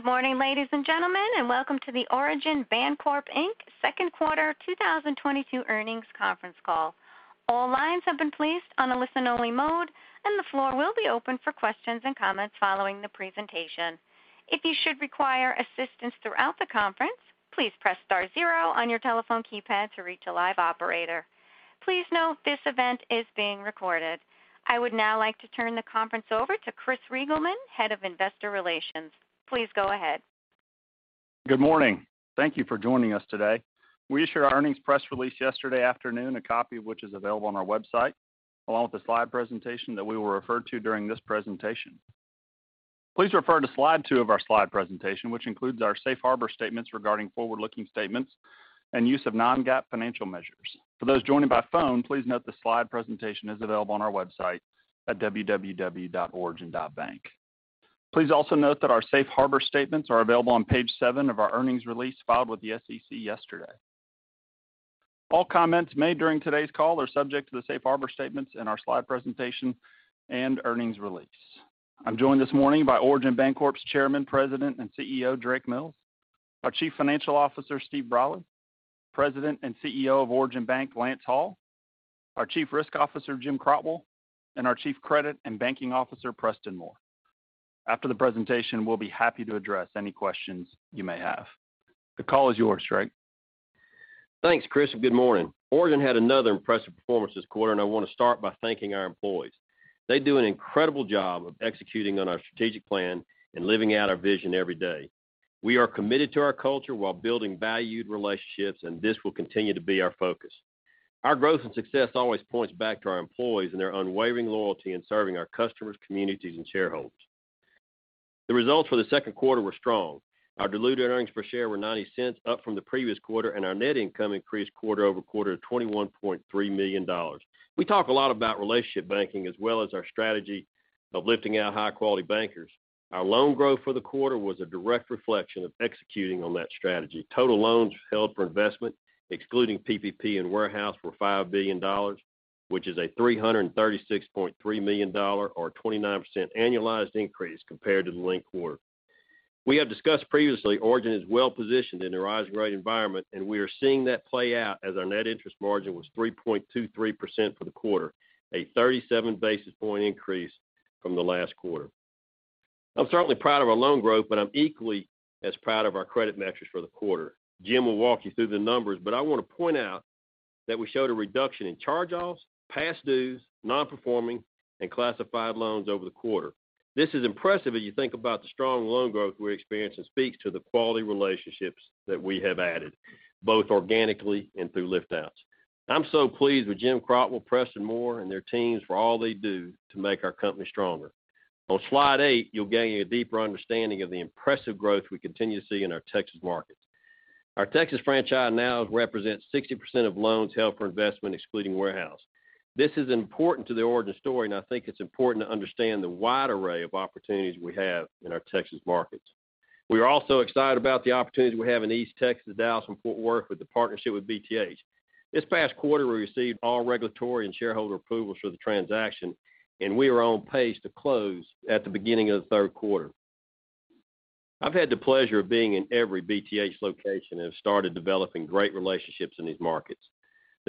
Good morning, ladies and gentlemen, and welcome to the Origin Bancorp, Inc. Second Quarter 2022 earnings conference call. All lines have been placed on a listen-only mode, and the floor will be open for questions and comments following the presentation. If you should require assistance throughout the conference, please press star zero on your telephone keypad to reach a live operator. Please note this event is being recorded. I would now like to turn the conference over to Chris Reigelman, Head of Investor Relations. Please go ahead. Good morning. Thank you for joining us today. We issued our earnings press release yesterday afternoon, a copy of which is available on our website, along with the slide presentation that we will refer to during this presentation. Please refer to slide two of our slide presentation, which includes our safe harbor statements regarding forward-looking statements and use of non-GAAP financial measures. For those joining by phone, please note the slide presentation is available on our website at www.origin.bank. Please also note that our safe harbor statements are available on page seven of our earnings release filed with the SEC yesterday. All comments made during today's call are subject to the safe harbor statements in our slide presentation and earnings release. I'm joined this morning by Origin Bancorp's Chairman, President, and CEO, Drake Mills, our Chief Financial Officer, Stephen Brolly, President and CEO of Origin Bank, Lance Hall, our Chief Risk Officer, Jim Crotwell, and our Chief Credit and Banking Officer, Preston Moore. After the presentation, we'll be happy to address any questions you may have. The call is yours, Drake. Thanks, Chris, and good morning. Origin had another impressive performance this quarter, and I want to start by thanking our employees. They do an incredible job of executing on our strategic plan and living out our vision every day. We are committed to our culture while building valued relationships, and this will continue to be our focus. Our growth and success always points back to our employees and their unwavering loyalty in serving our customers, communities, and shareholders. The results for the second quarter were strong. Our diluted earnings per share were $0.90 up from the previous quarter, and our net income increased quarter-over-quarter to $21.3 million. We talk a lot about relationship banking as well as our strategy of lifting out high-quality bankers. Our loan growth for the quarter was a direct reflection of executing on that strategy. Total loans held for investment, excluding PPP and warehouse, were $5 billion, which is a $336.3 million or 29% annualized increase compared to the linked quarter. We have discussed previously, Origin is well-positioned in the rising rate environment, and we are seeing that play out as our net interest margin was 3.23% for the quarter, a 37 basis point increase from the last quarter. I'm certainly proud of our loan growth, but I'm equally as proud of our credit metrics for the quarter. Jim will walk you through the numbers, but I want to point out that we showed a reduction in charge-offs, past dues, non-performing, and classified loans over the quarter. This is impressive, as you think about the strong loan growth we're experiencing speaks to the quality relationships that we have added, both organically and through lift outs. I'm so pleased with Jim Crotwell, Preston Moore, and their teams for all they do to make our company stronger. On slide eight, you'll gain a deeper understanding of the impressive growth we continue to see in our Texas markets. Our Texas franchise now represents 60% of loans held for investment, excluding warehouse. This is important to the Origin story, and I think it's important to understand the wide array of opportunities we have in our Texas markets. We are also excited about the opportunities we have in East Texas, Dallas, and Fort Worth with the partnership with BTH. This past quarter, we received all regulatory and shareholder approvals for the transaction, and we are on pace to close at the beginning of the third quarter. I've had the pleasure of being in every BTH location and have started developing great relationships in these markets.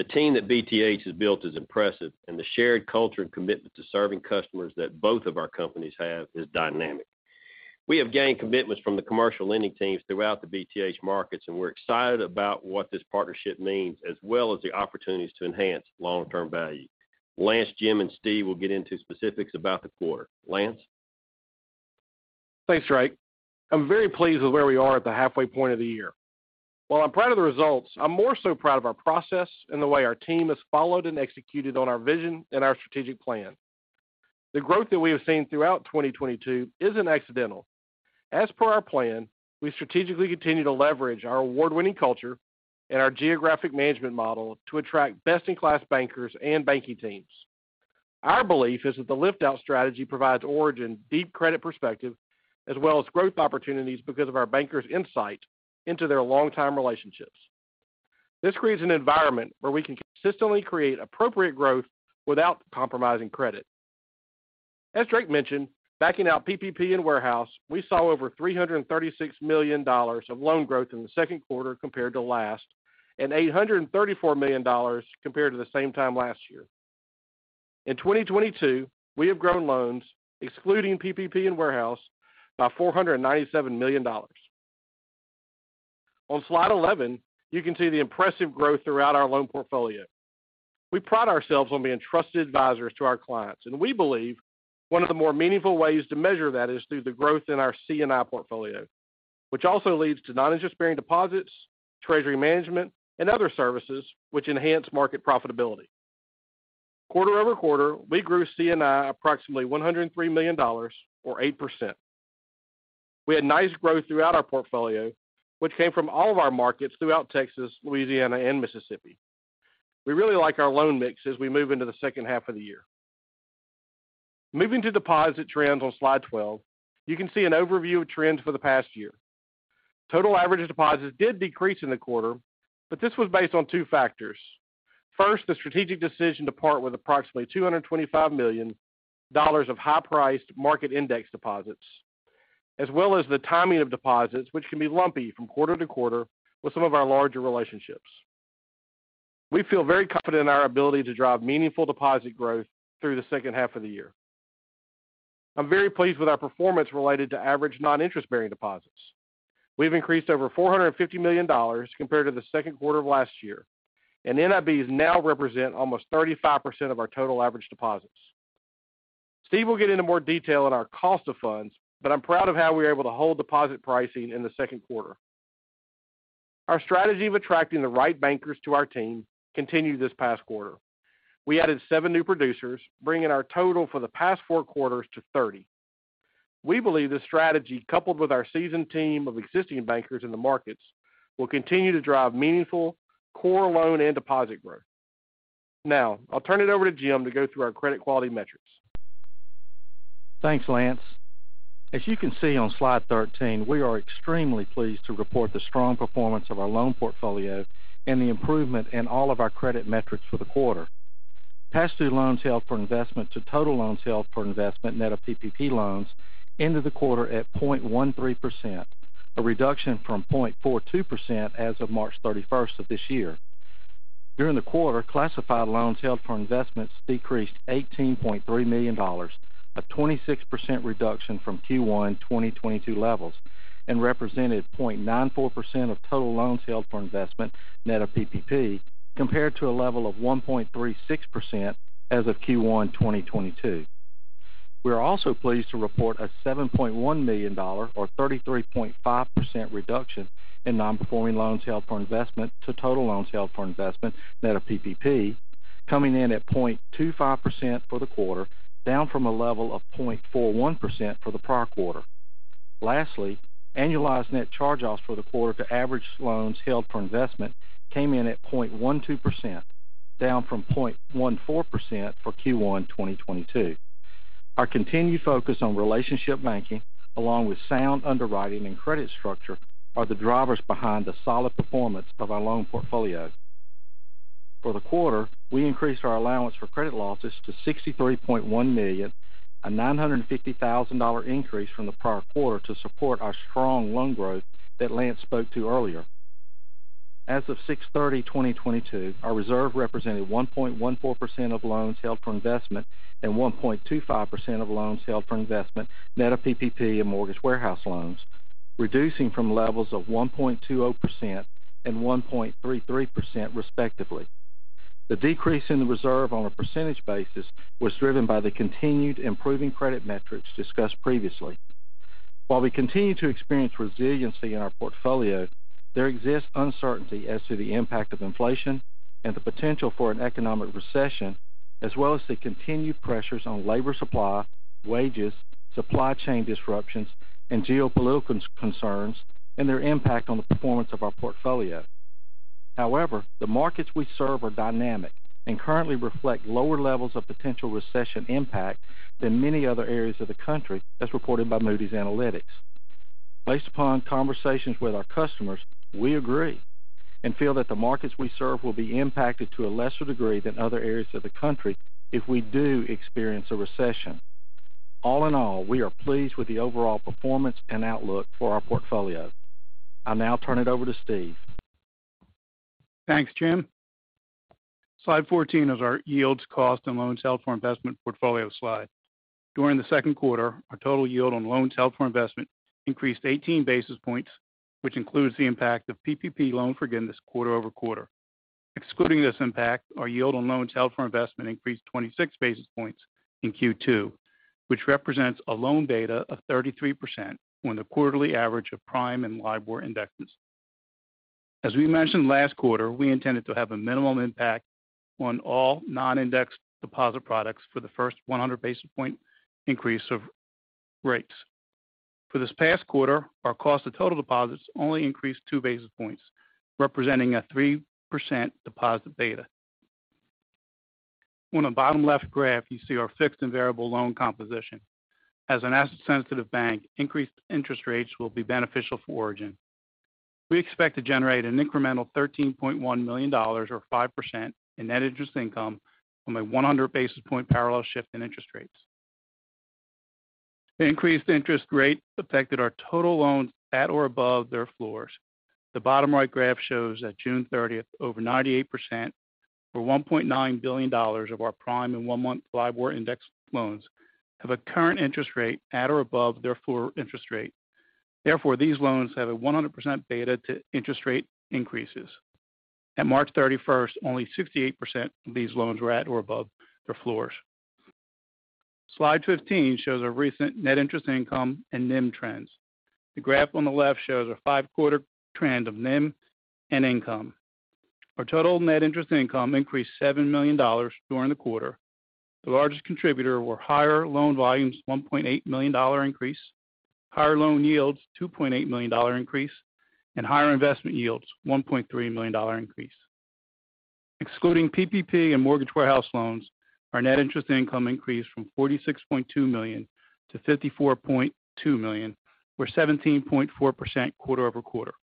The team that BTH has built is impressive, and the shared culture and commitment to serving customers that both of our companies have is dynamic. We have gained commitments from the commercial lending teams throughout the BTH markets, and we're excited about what this partnership means, as well as the opportunities to enhance long-term value. Lance, Jim, and Steve will get into specifics about the quarter. Lance? Thanks, Drake. I'm very pleased with where we are at the halfway point of the year. While I'm proud of the results, I'm more so proud of our process and the way our team has followed and executed on our vision and our strategic plan. The growth that we have seen throughout 2022 isn't accidental. As per our plan, we strategically continue to leverage our award-winning culture and our geographic management model to attract best-in-class bankers and banking teams. Our belief is that the lift out strategy provides Origin deep credit perspective as well as growth opportunities because of our bankers' insight into their long-time relationships. This creates an environment where we can consistently create appropriate growth without compromising credit. As Drake mentioned, backing out PPP and warehouse, we saw over $336 million of loan growth in the second quarter compared to last, and $834 million compared to the same time last year. In 2022, we have grown loans, excluding PPP and warehouse, by $497 million. On slide 11, you can see the impressive growth throughout our loan portfolio. We pride ourselves on being trusted advisors to our clients, and we believe one of the more meaningful ways to measure that is through the growth in our C&I portfolio, which also leads to non-interest-bearing deposits, treasury management, and other services which enhance market profitability. Quarter-over-quarter, we grew C&I approximately $103 million or 8%. We had nice growth throughout our portfolio, which came from all of our markets throughout Texas, Louisiana, and Mississippi. We really like our loan mix as we move into the second half of the year. Moving to deposit trends on slide 12, you can see an overview of trends for the past year. Total average deposits did decrease in the quarter, but this was based on two factors. First, the strategic decision to part with approximately $225 million of high-priced market index deposits, as well as the timing of deposits, which can be lumpy from quarter to quarter with some of our larger relationships. We feel very confident in our ability to drive meaningful deposit growth through the second half of the year. I'm very pleased with our performance related to average non-interest-bearing deposits. We've increased over $450 million compared to the second quarter of last year, and NIBs now represent almost 35% of our total average deposits. Steve will get into more detail on our cost of funds, but I'm proud of how we were able to hold deposit pricing in the second quarter. Our strategy of attracting the right bankers to our team continued this past quarter. We added 7 new producers, bringing our total for the past four quarters to 30. We believe this strategy, coupled with our seasoned team of existing bankers in the markets, will continue to drive meaningful core loan and deposit growth. Now, I'll turn it over to Jim to go through our credit quality metrics. Thanks, Lance. As you can see on slide 13, we are extremely pleased to report the strong performance of our loan portfolio and the improvement in all of our credit metrics for the quarter. Past due loans held for investment to total loans held for investment net of PPP loans ended the quarter at 0.13%, a reduction from 0.42% as of March 31st of this year. During the quarter, classified loans held for investments decreased $18.3 million, a 26% reduction from Q1 2022 levels, and represented 0.94% of total loans held for investment net of PPP, compared to a level of 1.36% as of Q1 2022. We are also pleased to report a $7.1 million or 33.5% reduction in non-performing loans held for investment to total loans held for investment net of PPP, coming in at 0.25% for the quarter, down from a level of 0.41% for the prior quarter. Lastly, annualized net charge-offs for the quarter to average loans held for investment came in at 0.12%, down from 0.14% for Q1 2022. Our continued focus on relationship banking, along with sound underwriting and credit structure, are the drivers behind the solid performance of our loan portfolio. For the quarter, we increased our allowance for credit losses to $63.1 million, a $950,000 increase from the prior quarter to support our strong loan growth that Lance spoke to earlier. As of 6/30/2022, our reserve represented 1.14% of loans held for investment and 1.25% of loans held for investment net of PPP and mortgage warehouse loans, reducing from levels of 1.20% and 1.33% respectively. The decrease in the reserve on a percentage basis was driven by the continued improving credit metrics discussed previously. While we continue to experience resiliency in our portfolio, there exists uncertainty as to the impact of inflation and the potential for an economic recession, as well as the continued pressures on labor supply, wages, supply chain disruptions, and geopolitical concerns and their impact on the performance of our portfolio. However, the markets we serve are dynamic and currently reflect lower levels of potential recession impact than many other areas of the country, as reported by Moody's Analytics. Based upon conversations with our customers, we agree and feel that the markets we serve will be impacted to a lesser degree than other areas of the country if we do experience a recession. All-in-all, we are pleased with the overall performance and outlook for our portfolio. I'll now turn it over to Steve. Thanks, Jim. Slide 14 is our yields, cost, and loans held for investment portfolio slide. During the second quarter, our total yield on loans held for investment increased 18 basis points, which includes the impact of PPP loan forgiveness quarter-over-quarter. Excluding this impact, our yield on loans held for investment increased 26 basis points in Q2, which represents a loan beta of 33% on the quarterly average of Prime and LIBOR indexes. As we mentioned last quarter, we intended to have a minimum impact on all non-indexed deposit products for the first 100 basis point increase of rates. For this past quarter, our cost of total deposits only increased 2 basis points, representing a 3% deposit beta. On the bottom left graph, you see our fixed and variable loan composition. As an asset-sensitive bank, increased interest rates will be beneficial for Origin. We expect to generate an incremental $13.1 million or 5% in net interest income from a 100 basis point parallel shift in interest rates. The increased interest rate affected our total loans at or above their floors. The bottom right graph shows that June 30, over 98% or $1.9 billion of our Prime and one-month LIBOR index loans have a current interest rate at or above their floor interest rate. Therefore, these loans have a 100% beta to interest rate increases. At March 31, only 68% of these loans were at or above their floors. Slide 15 shows our recent net interest income and NIM trends. The graph on the left shows a 5-quarter trend of NIM and income. Our total net interest income increased $7 million during the quarter. The largest contributor were higher loan volumes, $1.8 million increase, higher loan yields, $2.8 million increase, and higher investment yields, $1.3 million increase. Excluding PPP and mortgage warehouse loans, our net interest income increased from $46.2 million to $54.2 million, or 17.4% quarter-over-quarter.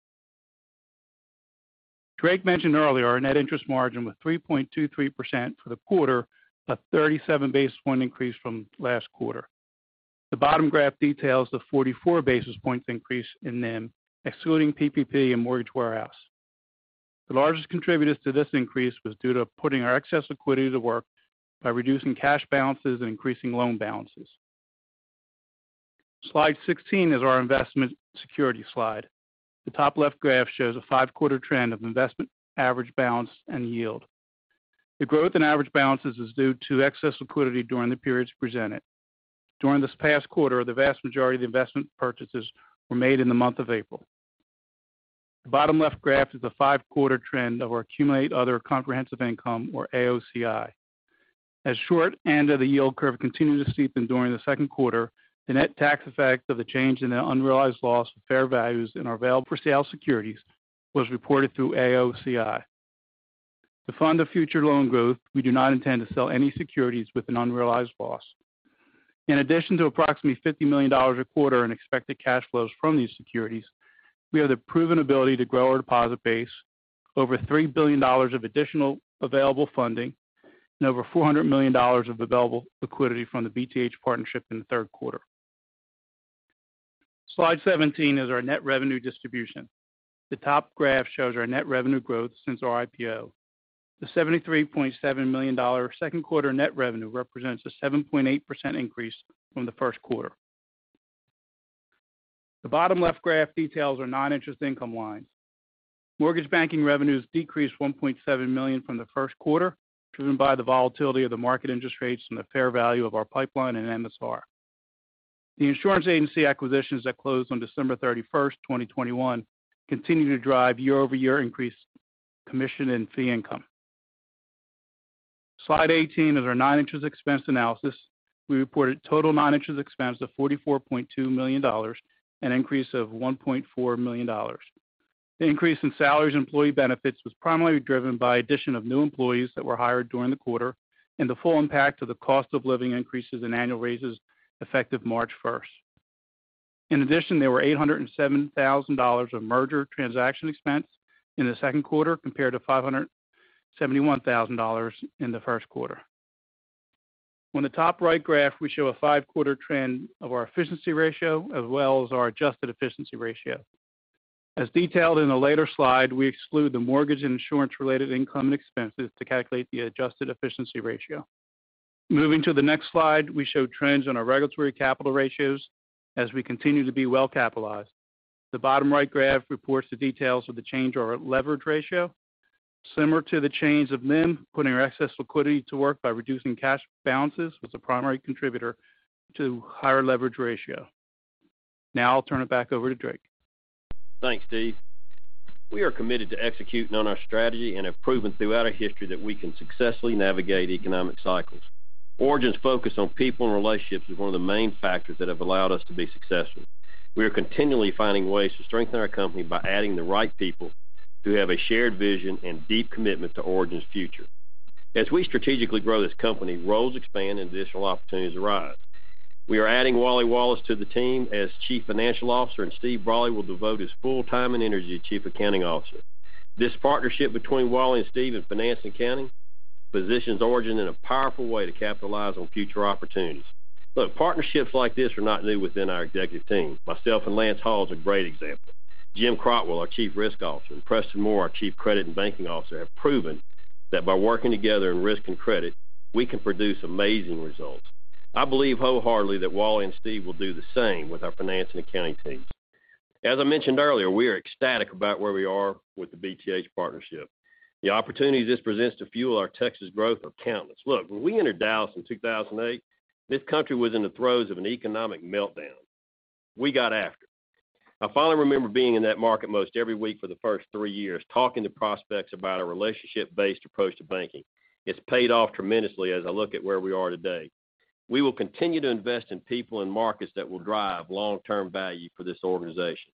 Drake mentioned earlier our net interest margin was 3.23% for the quarter, a 37 basis point increase from last quarter. The bottom graph details the 44 basis points increase in NIM excluding PPP and mortgage warehouse. The largest contributors to this increase was due to putting our excess liquidity to work by reducing cash balances and increasing loan balances. Slide 16 is our Investment Security slide. The top left graph shows a 5-quarter trend of investment average balance and yield. The growth in average balances is due to excess liquidity during the periods presented. During this past quarter, the vast majority of the investment purchases were made in the month of April. The bottom left graph is the 5-quarter trend of our Accumulated Other Comprehensive Income, or AOCI. As the short end of the yield curve continued to steepen during the second quarter, the net tax effect of the change in the unrealized loss of fair values in our available-for-sale securities was reported through AOCI. To fund the future loan growth, we do not intend to sell any securities with an unrealized loss. In addition to approximately $50 million a quarter in expected cash flows from these securities, we have the proven ability to grow our deposit base over $3 billion of additional available funding and over $400 million of available liquidity from the BTH partnership in the third quarter. Slide 17 is our Net Revenue Distribution. The top graph shows our net revenue growth since our IPO. The $73.7 million second quarter net revenue represents a 7.8% increase from the first quarter. The bottom left graph details our non-interest income lines. Mortgage banking revenues decreased $1.7 million from the first quarter, driven by the volatility of the market interest rates and the fair value of our pipeline and MSR. The insurance agency acquisitions that closed on December 31, 2021, continue to drive year-over-year increase commission and fee income. Slide 18 is our non-interest expense analysis. We reported total non-interest expense of $44.2 million, an increase of $1.4 million. The increase in salaries and employee benefits was primarily driven by addition of new employees that were hired during the quarter and the full impact of the cost of living increases and annual raises effective March 1. In addition, there were $807,000 of merger transaction expense in the second quarter compared to $571,000 in the first quarter. On the top right graph, we show a 5-quarter trend of our efficiency ratio as well as our adjusted efficiency ratio. As detailed in a later slide, we exclude the mortgage and insurance related income and expenses to calculate the adjusted efficiency ratio. Moving to the next slide, we show trends on our regulatory capital ratios as we continue to be well capitalized. The bottom right graph reports the details of the change of our leverage ratio. Similar to the change of NIM, putting our excess liquidity to work by reducing cash balances was the primary contributor to higher leverage ratio. Now, I'll turn it back over to Drake. Thanks, Steve. We are committed to executing on our strategy and have proven throughout our history that we can successfully navigate economic cycles. Origin's focus on people and relationships is one of the main factors that have allowed us to be successful. We are continually finding ways to strengthen our company by adding the right people who have a shared vision and deep commitment to Origin's future. As we strategically grow this company, roles expand and additional opportunities arise. We are adding Wally Wallace to the team as Chief Financial Officer, and Steve Brolly will devote his full time and energy to Chief Accounting Officer. This partnership between Wally and Steve in finance and accounting positions Origin in a powerful way to capitalize on future opportunities. Look, partnerships like this are not new within our executive team. Myself and Lance Hall is a great example. Jim Crotwell, our Chief Risk Officer, and Preston Moore, our Chief Credit and Banking Officer, have proven that by working together in risk and credit, we can produce amazing results. I believe wholeheartedly that Wally and Steve will do the same with our finance and accounting teams. As I mentioned earlier, we are ecstatic about where we are with the BTH partnership. The opportunities this presents to fuel our Texas growth are countless. Look, when we entered Dallas in 2008, this country was in the throes of an economic meltdown. We got after it. I finally remember being in that market most every week for the first three years, talking to prospects about a relationship-based approach to banking. It's paid off tremendously as I look at where we are today. We will continue to invest in people and markets that will drive long-term value for this organization.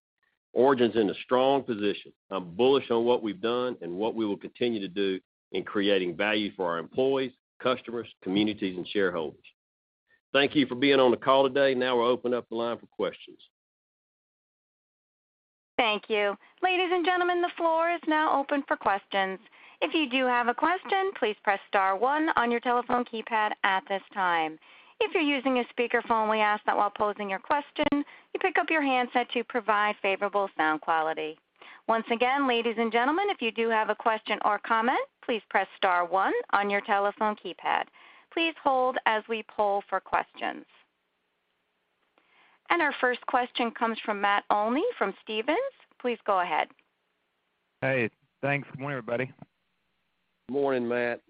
Origin's in a strong position. I'm bullish on what we've done and what we will continue to do in creating value for our employees, customers, communities, and shareholders. Thank you for being on the call today. Now we'll open up the line for questions. Thank you. Ladies and gentlemen, the floor is now open for questions. If you do have a question, please press star one on your telephone keypad at this time. If you're using a speakerphone, we ask that while posing your question, you pick up your handset to provide favorable sound quality. Once again, ladies and gentlemen, if you do have a question or comment, please press star one on your telephone keypad. Please hold as we poll for questions. Our first question comes from Matt Olney from Stephens. Please go ahead. Hey, thanks. Good morning, everybody. Morning, Matt.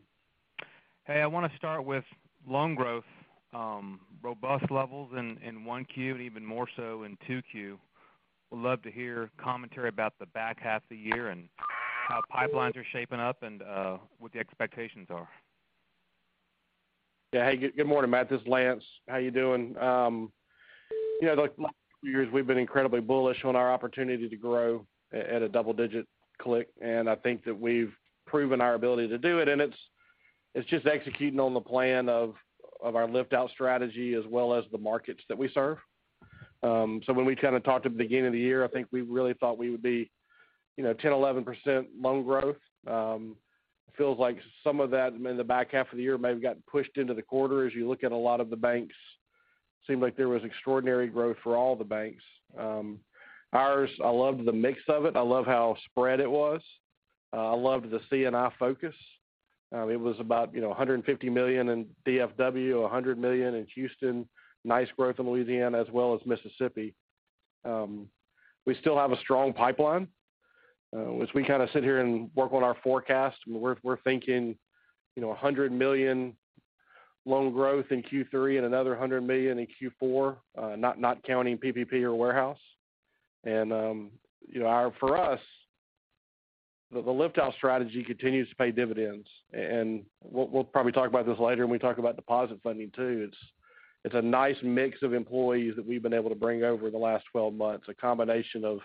Hey, I want to start with loan growth, robust levels in 1Q and even more so in 2Q. Would love to hear commentary about the back half of the year and how pipelines are shaping up and what the expectations are? Yeah. Hey, good morning, Matt. This is Lance. How you doing? You know, the last few years we've been incredibly bullish on our opportunity to grow at a double-digit clip, and I think that we've proven our ability to do it. It's just executing on the plan of our lift-out strategy as well as the markets that we serve. So when we kind of talked at the beginning of the year, I think we really thought we would be, you know, 10%-11% loan growth. Feels like some of that in the back half of the year maybe got pushed into the quarter. As you look at a lot of the banks, seemed like there was extraordinary growth for all the banks. Ours, I loved the mix of it. I love how spread it was. I loved the C&I focus. It was about, you know, $150 million in DFW, $100 million in Houston, nice growth in Louisiana as well as Mississippi. We still have a strong pipeline. As we kind of sit here and work on our forecast, we're thinking, you know, $100 million loan growth in Q3 and another $100 million in Q4, not counting PPP or warehouse. For us, the lift-out strategy continues to pay dividends. We'll probably talk about this later when we talk about deposit funding too. It's a nice mix of employees that we've been able to bring over the last 12 months, a combination of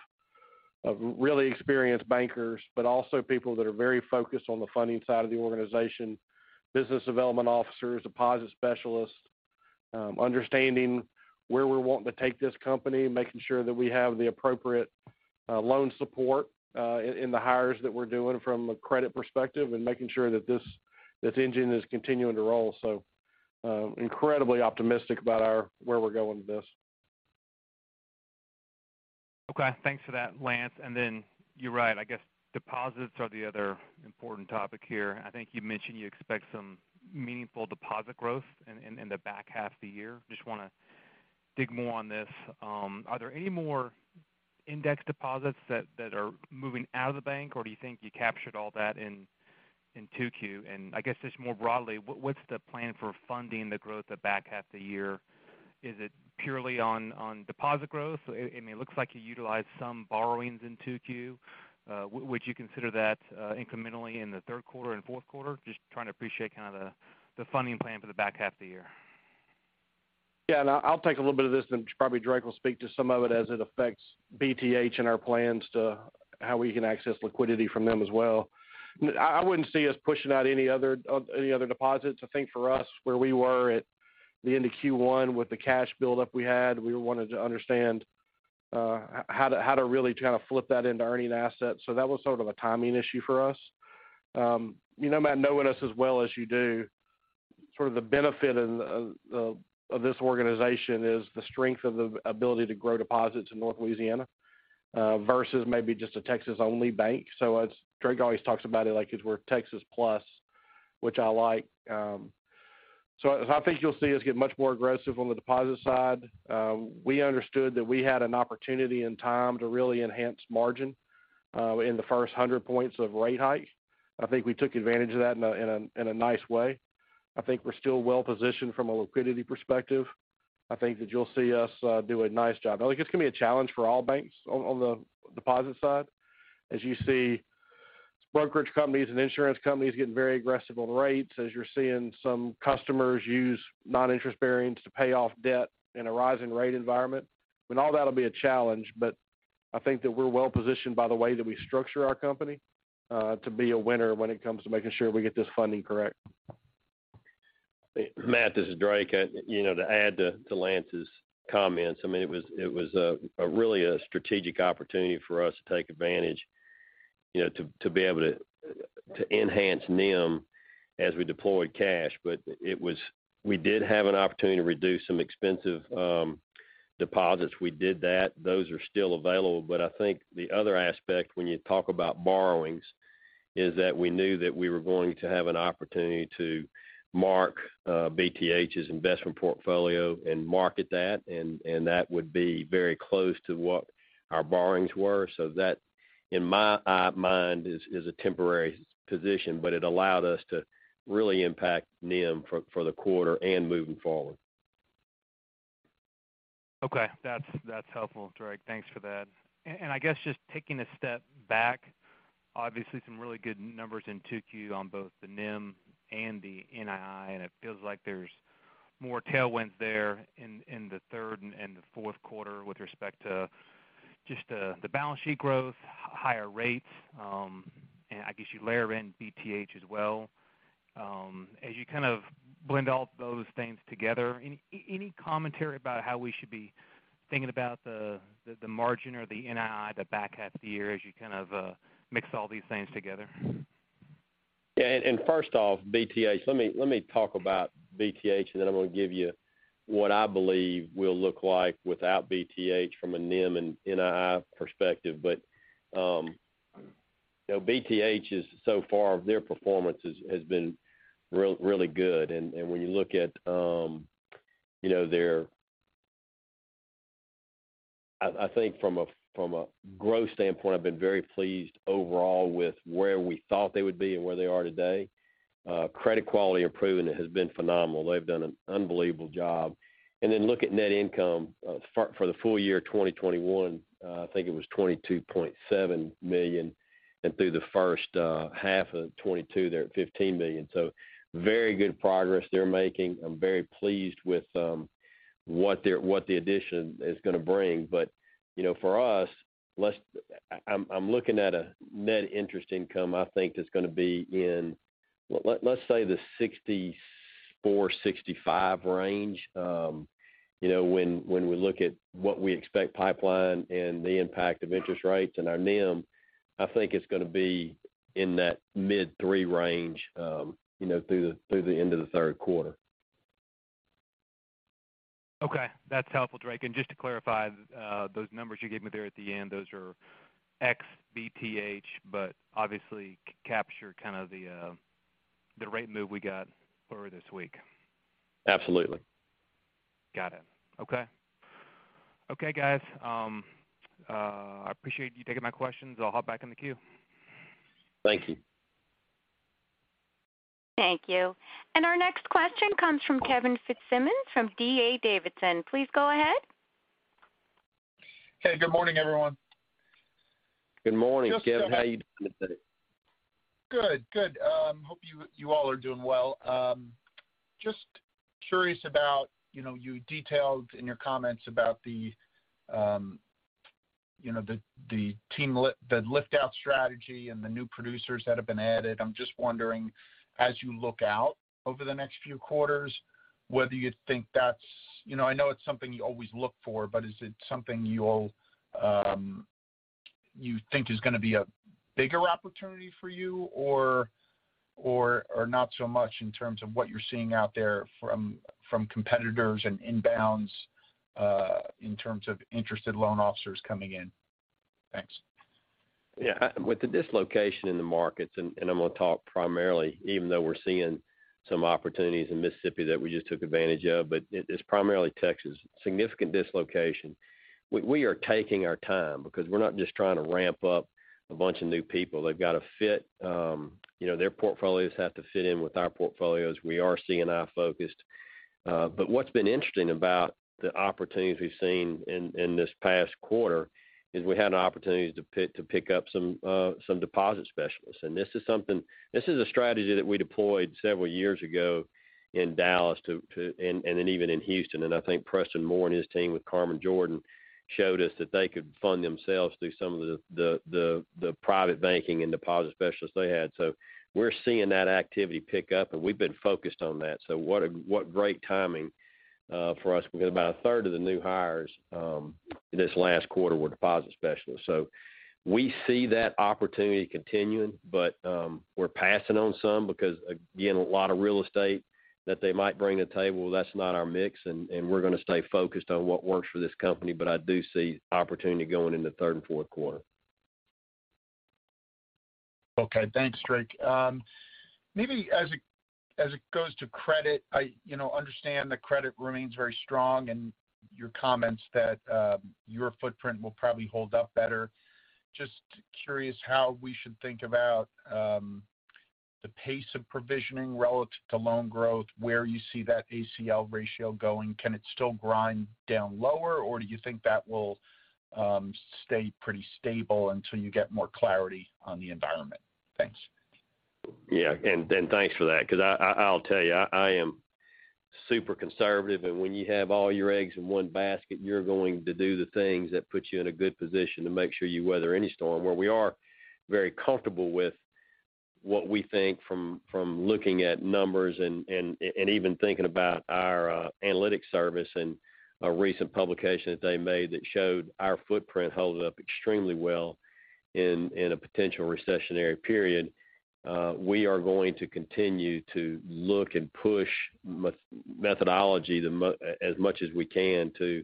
really experienced bankers, but also people that are very focused on the funding side of the organization, business development officers, deposit specialists, understanding where we're wanting to take this company, making sure that we have the appropriate loan support in the hires that we're doing from a credit perspective and making sure that this engine is continuing to roll. Incredibly optimistic about where we're going with this. Okay. Thanks for that, Lance. You're right, I guess deposits are the other important topic here. I think you mentioned you expect some meaningful deposit growth in the back half of the year. Just wanna dig more on this. Are there any more index deposits that are moving out of the bank, or do you think you captured all that in 2Q? I guess just more broadly, what's the plan for funding the growth the back half of the year? Is it purely on deposit growth? I mean, it looks like you utilized some borrowings in 2Q. Would you consider that incrementally in the third quarter and fourth quarter? Just trying to appreciate kind of the funding plan for the back half of the year. Yeah, I'll take a little bit of this, then probably Drake will speak to some of it as it affects BTH and our plans to how we can access liquidity from them as well. I wouldn't see us pushing out any other deposits. I think for us, where we were at the end of Q1 with the cash build up we had, we wanted to understand how to really kind of flip that into earning assets. That was sort of a timing issue for us. You know, Matt, knowing us as well as you do, sort of the benefit of this organization is the strength of the ability to grow deposits in North Louisiana versus maybe just a Texas-only bank. As Drake always talks about it like as we're Texas plus, which I like. I think you'll see us get much more aggressive on the deposit side. We understood that we had an opportunity and time to really enhance margin in the first 100 points of rate hike. I think we took advantage of that in a nice way. I think we're still well-positioned from a liquidity perspective. I think that you'll see us do a nice job. I think it's gonna be a challenge for all banks on the deposit side. As you see brokerage companies and insurance companies getting very aggressive on rates, as you're seeing some customers use non-interest-bearing to pay off debt in a rising rate environment. I mean, all that'll be a challenge, but I think that we're well-positioned by the way that we structure our company to be a winner when it comes to making sure we get this funding correct. Matt, this is Drake. You know, to add to Lance's comments, I mean, it was really a strategic opportunity for us to take advantage, you know, to be able to enhance NIM as we deployed cash. We did have an opportunity to reduce some expensive deposits. We did that. Those are still available. I think the other aspect when you talk about borrowings is that we knew that we were going to have an opportunity to mark to market BTH's investment portfolio, and that would be very close to what our borrowings were. That, in my mind, is a temporary position, but it allowed us to really impact NIM for the quarter and moving forward. Okay. That's helpful, Drake. Thanks for that. I guess just taking a step back, obviously some really good numbers in 2Q on both the NIM and the NII, and it feels like there's more tailwinds there in the third and the fourth quarter with respect to just the balance sheet growth, higher rates, and I guess you layer in BTH as well. As you kind of blend all those things together, any commentary about how we should be thinking about the margin or the NII the back half of the year as you kind of mix all these things together? Yeah. First off, BTH. Let me talk about BTH, and then I'm gonna give you what I believe will look like without BTH from a NIM and NII perspective. You know, BTH is so far, their performance has been really good. When you look at, you know, their, I think from a growth standpoint, I've been very pleased overall with where we thought they would be and where they are today. Credit Quality Improvement has been phenomenal. They've done an unbelievable job. Then look at net income for the full year 2021, I think it was $22.7 million. Through the first half of 2022, they're at $15 million. Very good progress they're making. I'm very pleased with what the addition is gonna bring. You know, for us, I'm looking at a net interest income, I think that's gonna be in let's say the $64-$65 range. You know, when we look at what we expect pipeline and the impact of interest rates and our NIM, I think it's gonna be in that mid-3% range, you know, through the end of the third quarter. Okay. That's helpful, Drake. Just to clarify, those numbers you gave me there at the end, those are ex-BTH, but obviously capture kind of the rate move we got earlier this week? Absolutely. Got it. Okay, guys, I appreciate you taking my questions. I'll hop back in the queue. Thank you. Thank you. Our next question comes from Kevin Fitzsimmons from D.A. Davidson. Please go ahead. Hey, good morning, everyone. Good morning, Kevin. How are you doing today? Good. Hope you all are doing well. Just curious about, you know, you detailed in your comments about the, you know, the lift out strategy and the new producers that have been added. I'm just wondering, as you look out over the next few quarters, whether you think that's. You know, I know it's something you always look for, but is it something you'll you think is gonna be a bigger opportunity for you or not so much in terms of what you're seeing out there from competitors and inbounds, in terms of interested loan officers coming in? Thanks. Yeah. With the dislocation in the markets, and I'm gonna talk primarily, even though we're seeing some opportunities in Mississippi that we just took advantage of, but it's primarily Texas, significant dislocation. We are taking our time because we're not just trying to ramp up a bunch of new people. They've got to fit. You know, their portfolios have to fit in with our portfolios. We are C&I-focused. But what's been interesting about the opportunities we've seen in this past quarter is we had an opportunity to pick up some deposit specialists. This is a strategy that we deployed several years ago in Dallas to and then even in Houston. I think Preston Moore and his team with Carmen Jordan showed us that they could fund themselves through some of the private banking and deposit specialists they had. We're seeing that activity pick up, and we've been focused on that. What great timing for us. We've got about a third of the new hires this last quarter were deposit specialists. We see that opportunity continuing, but we're passing on some because, again, a lot of real estate that they might bring to the table, that's not our mix, and we're gonna stay focused on what works for this company, but I do see opportunity going into third and fourth quarter. Okay. Thanks, Drake. Maybe as it goes to credit, you know, I understand the credit remains very strong and your comments that your footprint will probably hold up better. Just curious how we should think about the pace of provisioning relative to loan growth, where you see that ACL ratio going. Can it still grind down lower, or do you think that will stay pretty stable until you get more clarity on the environment? Thanks. Yeah. Thanks for that because I'll tell you, I am super conservative, and when you have all your eggs in one basket, you're going to do the things that put you in a good position to make sure you weather any storm. We're very comfortable with what we think from looking at numbers and even thinking about our Moody's Analytics and a recent publication that they made that showed our footprint held up extremely well in a potential recessionary period. We are going to continue to look and push methodology as much as we can to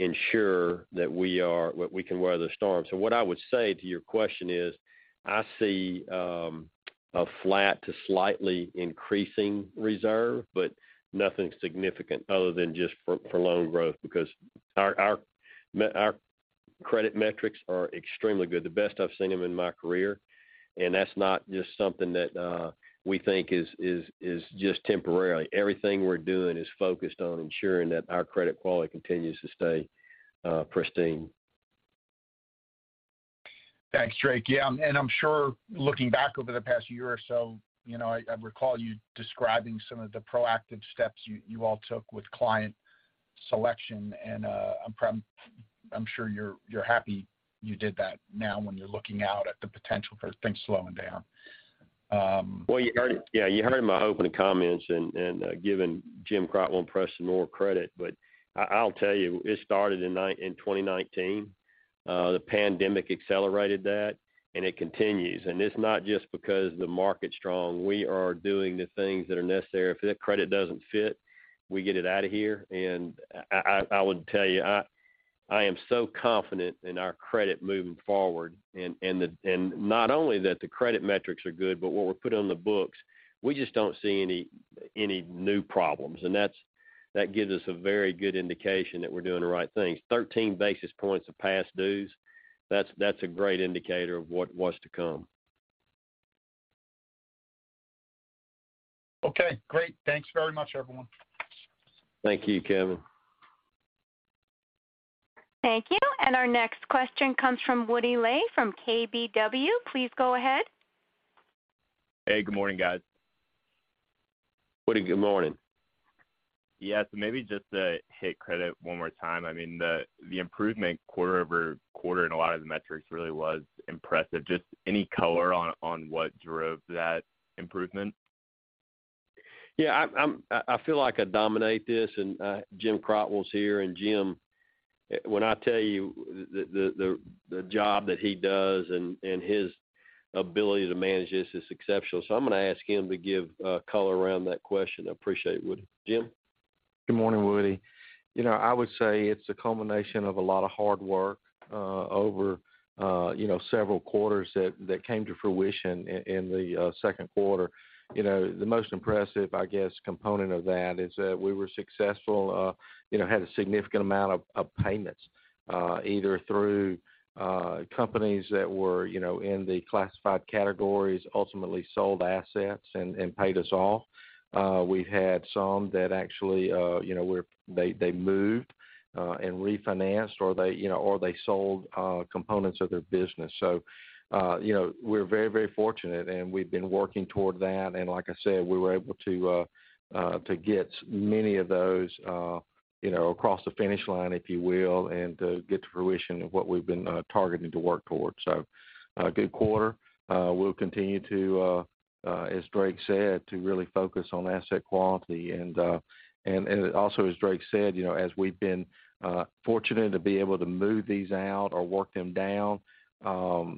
ensure that we can weather the storm. What I would say to your question is, I see a flat to slightly increasing reserve, but nothing significant other than just for loan growth because our credit metrics are extremely good, the best I've seen them in my career. That's not just something that we think is just temporary. Everything we're doing is focused on ensuring that our credit quality continues to stay pristine. Thanks, Drake. Yeah, I'm sure looking back over the past year or so, you know, I recall you describing some of the proactive steps you all took with client selection, and I'm sure you're happy you did that now when you're looking out at the potential for things slowing down. Well, you heard it. Yeah, you heard my opening comments and giving Jim Crotwell and Preston Moore credit. But I'll tell you, it started in 2019. The pandemic accelerated that, and it continues. It's not just because the market's strong. We are doing the things that are necessary. If the credit doesn't fit, we get it out of here. I would tell you, I am so confident in our credit moving forward. Not only that the credit metrics are good, but what we're putting on the books, we just don't see any new problems. That gives us a very good indication that we're doing the right things. 13 basis points of past dues, that's a great indicator of what was to come. Okay, great. Thanks very much, everyone. Thank you, Kevin. Thank you. Our next question comes from Woody Lay from KBW. Please go ahead. Hey, good morning, guys. Woody, good morning. Yes, maybe just to hit credit one more time. I mean, the improvement quarter-over-quarter in a lot of the metrics really was impressive. Just any color on what drove that improvement? Yeah, I feel like I dominate this and Jim Crotwell is here. Jim, when I tell you the job that he does and his ability to manage this is exceptional. I'm gonna ask him to give color around that question. I appreciate it, Woody. Jim? Good morning, Woody. You know, I would say it's a combination of a lot of hard work over you know, several quarters that came to fruition in the second quarter. You know, the most impressive, I guess, component of that is that we were successful you know, had a significant amount of payments either through companies that were you know, in the classified categories, ultimately sold assets and paid us off. We've had some that actually you know, they moved and refinanced or they you know, or they sold components of their business. You know, we're very, very fortunate and we've been working toward that. Like I said, we were able to get many of those, you know, across the finish line, if you will, and get to fruition of what we've been targeting to work towards. Good quarter. We'll continue, as Drake said, to really focus on asset quality. Also as Drake said, you know, as we've been fortunate to be able to move these out or work them down,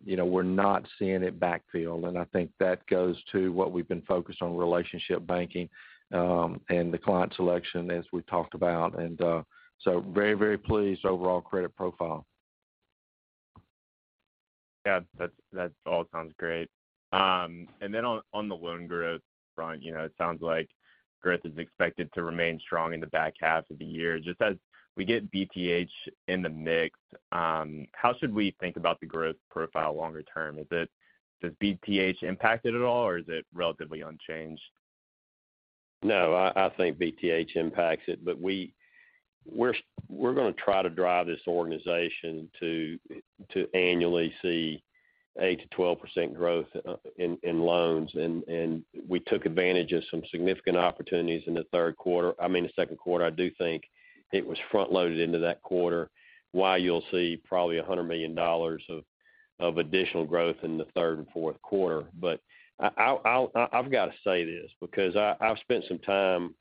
you know, we're not seeing it backfill. I think that goes to what we've been focused on relationship banking, and the client selection as we talked about. Very, very pleased overall credit profile. Yeah, that all sounds great. On the loan growth front, you know, it sounds like growth is expected to remain strong in the back half of the year. Just as we get BTH in the mix, how should we think about the growth profile longer term? Does BTH impact it at all or is it relatively unchanged? No, I think BTH impacts it, but we're gonna try to drive this organization to annually see 8%-12% growth in loans. We took advantage of some significant opportunities in the third quarter. I mean, the second quarter, I do think it was front-loaded into that quarter, while you'll see probably $100 million of additional growth in the third and fourth quarter. I'll say this because I've spent some time,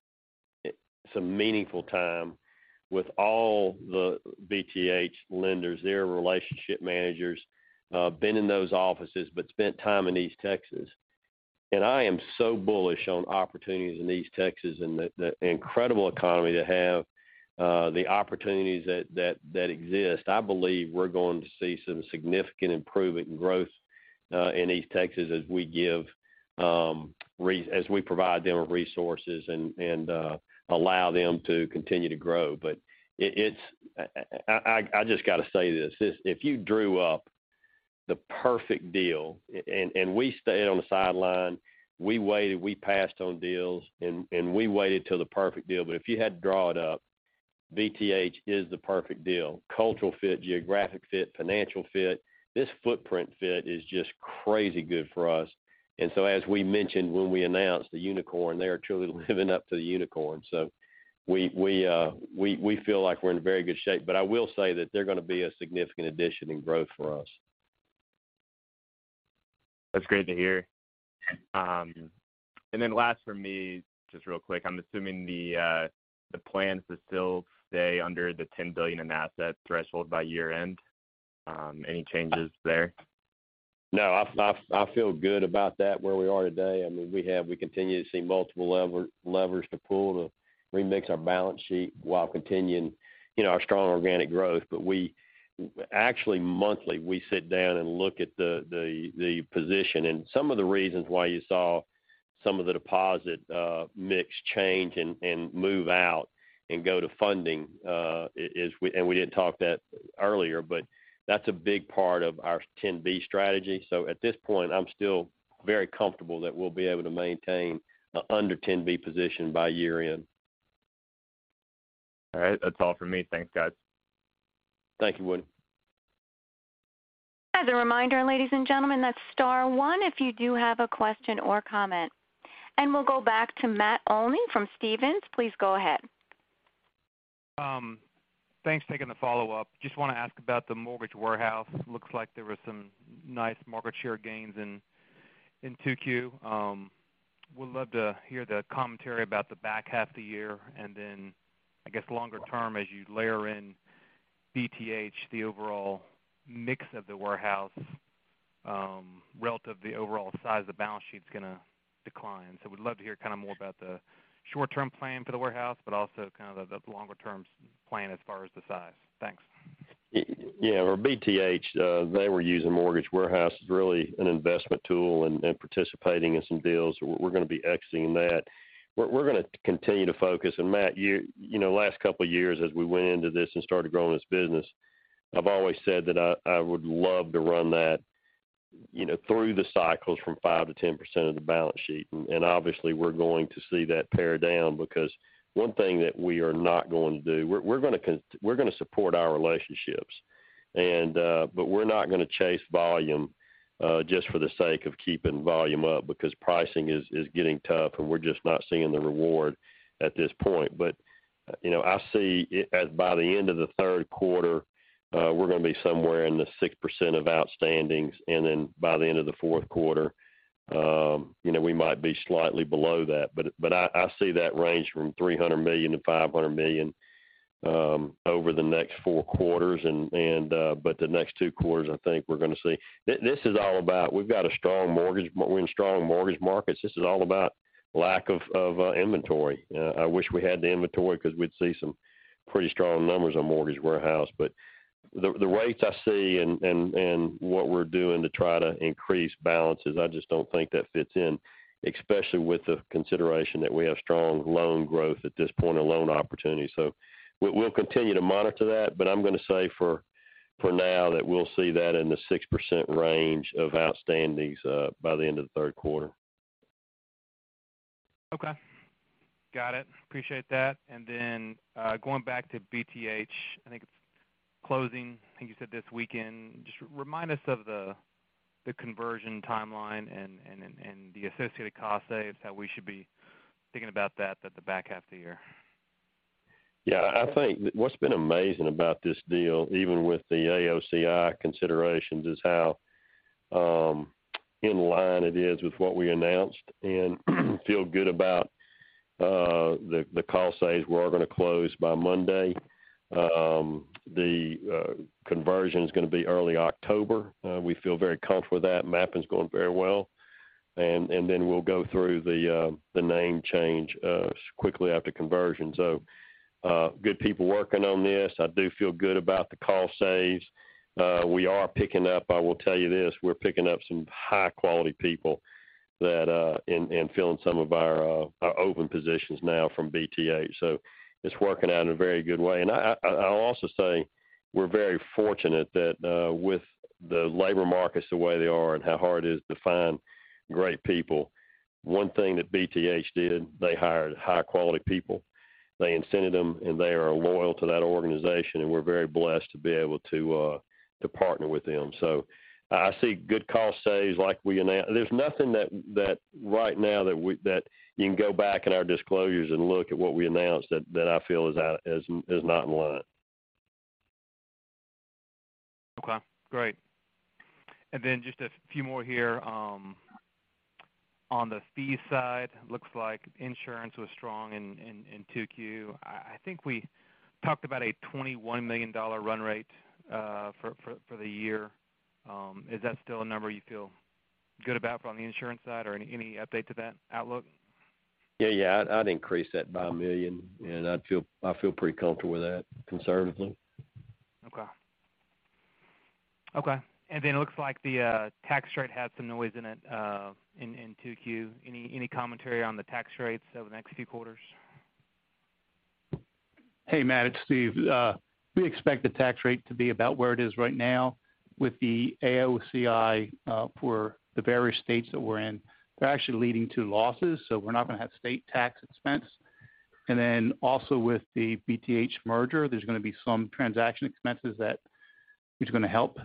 some meaningful time with all the BTH lenders, their relationship managers, been in those offices, but spent time in East Texas. I am so bullish on opportunities in East Texas and the incredible economy to have the opportunities that exist. I believe we're going to see some significant improvement and growth in East Texas as we provide them with resources and allow them to continue to grow. I just got to say this. If you drew up the perfect deal and we stayed on the sideline, we waited, we passed on deals, and we waited till the perfect deal. If you had to draw it up, BTH is the perfect deal. Cultural fit, geographic fit, financial fit. This footprint fit is just crazy good for us. As we mentioned when we announced the unicorn, they are truly living up to the unicorn. We feel like we're in very good shape. I will say that they're gonna be a significant addition in growth for us. That's great to hear. Last for me, just real quick. I'm assuming the plan is to still stay under the $10 billion asset threshold by year-end. Any changes there? No. I feel good about that, where we are today. I mean, we continue to see multiple levers to pull to remix our balance sheet while continuing, you know, our strong organic growth. We actually, monthly, sit down and look at the position. Some of the reasons why you saw some of the deposit mix change and move out and go to funding is, we didn't talk about that earlier, but that's a big part of our $10B strategy. At this point, I'm still very comfortable that we'll be able to maintain an under $10B position by year-end. All right. That's all for me. Thanks, guys. Thank you, Woody. As a reminder, ladies and gentlemen, that's star one if you do have a question or comment. We'll go back to Matt Olney from Stephens. Please go ahead. Thanks for taking the follow-up. Just wanna ask about the mortgage warehouse. Looks like there were some nice market share gains in 2Q. Would love to hear the commentary about the back half of the year. I guess, longer term, as you layer in BTH, the overall mix of the warehouse relative to the overall size of the balance sheet is gonna decline. Would love to hear kind of more about the short-term plan for the warehouse, but also kind of the longer term plan as far as the size. Thanks. Yeah, our BTH, they were using mortgage warehouse as really an investment tool and participating in some deals. We're gonna be exiting that. We're gonna continue to focus. Matt, you know, last couple of years as we went into this and started growing this business, I've always said that I would love to run that, you know, through the cycles from 5%-10% of the balance sheet. Obviously, we're going to see that pare down because one thing that we are not going to do, we're gonna support our relationships. But we're not gonna chase volume just for the sake of keeping volume up because pricing is getting tough, and we're just not seeing the reward at this point. You know, I see it as by the end of the third quarter, we're gonna be somewhere in the 6% of outstandings. Then by the end of the fourth quarter, you know, we might be slightly below that. I see that range from $300 million-$500 million over the next four quarters. The next two quarters, I think we're gonna see this is all about, we've got a strong mortgage market, we're in strong mortgage markets. This is all about lack of inventory. I wish we had the inventory 'cause we'd see some pretty strong numbers on mortgage warehouse. The rates I see and what we're doing to try to increase balances, I just don't think that fits in, especially with the consideration that we have strong loan growth at this point and loan opportunities. We'll continue to monitor that, but I'm gonna say for now that we'll see that in the 6% range of outstandings by the end of the third quarter. Okay. Got it. Appreciate that. Going back to BTH, I think it's closing. I think you said this weekend. Just remind us of the conversion timeline and the associated cost savings, how we should be thinking about that for the back half of the year? I think what's been amazing about this deal, even with the AOCI considerations, is how in line it is with what we announced and feel good about the cost savings. We are gonna close by Monday. The conversion's gonna be early October. We feel very comfortable with that. Mapping's going very well. Then we'll go through the name change quickly after conversion. So good people working on this. I do feel good about the cost savings. We are picking up, I will tell you this, we're picking up some high quality people that in filling some of our open positions now from BTH. So it's working out in a very good way. I'll also say we're very fortunate that, with the labor markets the way they are and how hard it is to find great people, one thing that BTH did, they hired high quality people. They incented them, and they are loyal to that organization, and we're very blessed to be able to partner with them. I see good cost saves like we announced. There's nothing right now that you can go back in our disclosures and look at what we announced that I feel is out, is not in line. Okay, great. Just a few more here. On the fee side, looks like insurance was strong in 2Q. I think we talked about a $21 million run rate for the year. Is that still a number you feel good about from the insurance side or any update to that outlook? Yeah, yeah. I'd increase that by $1 million, and I feel pretty comfortable with that conservatively. Okay. It looks like the tax rate had some noise in it in 2Q. Any commentary on the tax rates over the next few quarters? Hey, Matt, it's Steve. We expect the tax rate to be about where it is right now with the AOCI for the various states that we're in. They're actually leading to losses, so we're not gonna have state tax expense. With the BTH merger, there's gonna be some transaction expenses that is gonna help.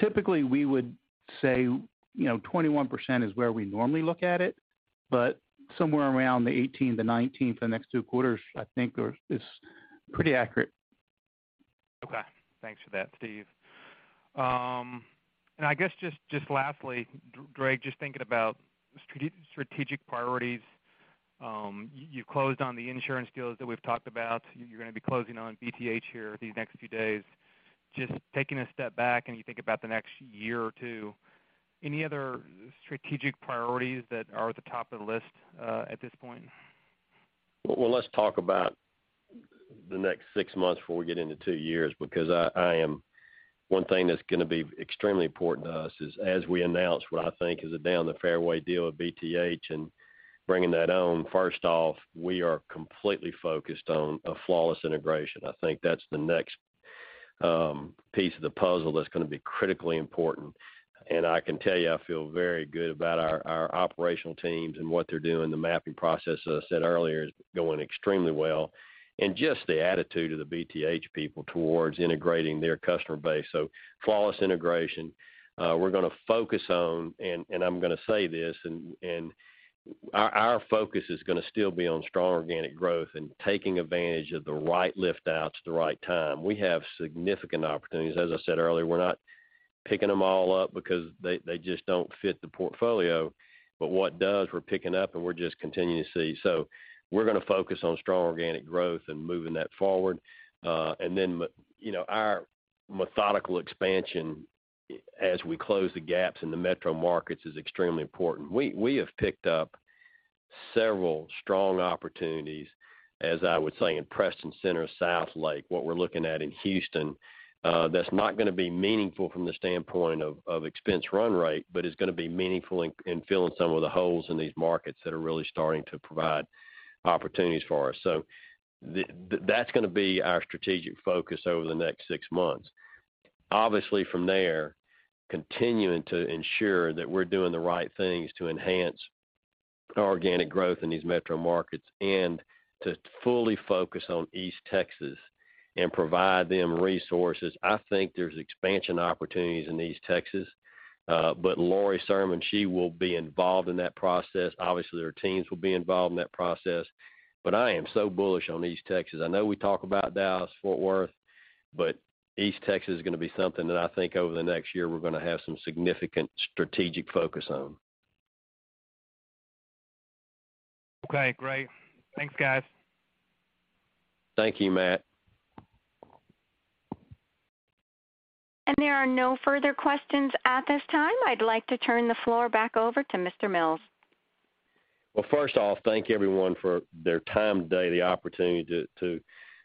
Typically, we would say, you know, 21% is where we normally look at it, but somewhere around the 18%-19% for the next two quarters, I think is pretty accurate. Okay. Thanks for that, Steve. I guess just lastly, Drake, just thinking about strategic priorities. You closed on the insurance deals that we've talked about. You're gonna be closing on BTH here these next few days. Just taking a step back, and you think about the next year or two, any other strategic priorities that are at the top of the list, at this point? Well, let's talk about the next six months before we get into two years because one thing that's gonna be extremely important to us is as we announce what I think is a down the fairway deal with BTH and bringing that on, first off, we are completely focused on a flawless integration. I think that's the next piece of the puzzle that's gonna be critically important. I can tell you, I feel very good about our operational teams and what they're doing. The mapping process, as I said earlier, is going extremely well. Just the attitude of the BTH people towards integrating their customer base. Flawless integration. We're gonna focus on and I'm gonna say this and our focus is gonna still be on strong organic growth and taking advantage of the right lift outs at the right time. We have significant opportunities. As I said earlier, we're not picking them all up because they just don't fit the portfolio. What does, we're picking up and we're just continuing to see. We're gonna focus on strong organic growth and moving that forward. You know, our methodical expansion as we close the gaps in the metro markets is extremely important. We have picked up several strong opportunities, as I would say, in Preston Center, Southlake, what we're looking at in Houston. That's not gonna be meaningful from the standpoint of expense run rate, but is gonna be meaningful in filling some of the holes in these markets that are really starting to provide opportunities for us. That's gonna be our strategic focus over the next six months. Obviously, from there, continuing to ensure that we're doing the right things to enhance organic growth in these metro markets and to fully focus on East Texas and provide them resources. I think there's expansion opportunities in East Texas. Lori Sirman, she will be involved in that process. Obviously, their teams will be involved in that process. I am so bullish on East Texas. I know we talk about Dallas-Fort Worth, but East Texas is gonna be something that I think over the next year we're gonna have some significant strategic focus on. Okay, great. Thanks, guys. Thank you, Matt. There are no further questions at this time. I'd like to turn the floor back over to Mr. Mills. Well, first off, thank everyone for their time today, the opportunity to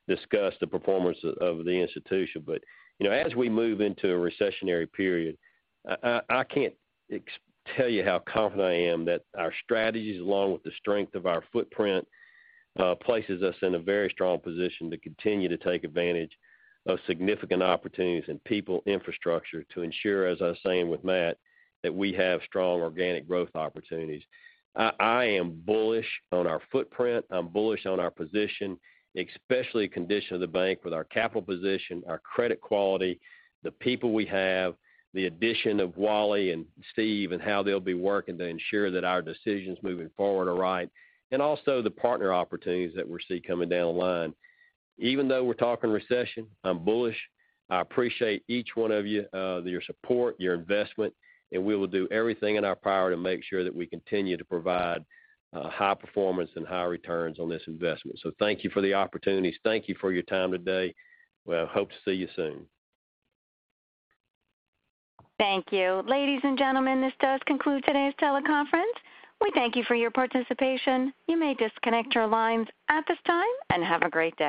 discuss the performance of the institution. You know, as we move into a recessionary period. I can't tell you how confident I am that our strategies, along with the strength of our footprint, places us in a very strong position to continue to take advantage of significant opportunities in people infrastructure to ensure, as I was saying with Matt, that we have strong organic growth opportunities. I am bullish on our footprint. I'm bullish on our position, especially condition of the bank with our capital position, our credit quality, the people we have, the addition of Wally and Steve, and how they'll be working to ensure that our decisions moving forward are right, and also the partner opportunities that we see coming down the line. Even though we're talking recession, I'm bullish. I appreciate each one of you, your support, your investment, and we will do everything in our power to make sure that we continue to provide, high performance and high returns on this investment. Thank you for the opportunities. Thank you for your time today. We hope to see you soon. Thank you. Ladies and gentlemen, this does conclude today's teleconference. We thank you for your participation. You may disconnect your lines at this time, and have a great day.